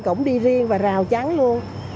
cổng đi riêng và rào trắng luôn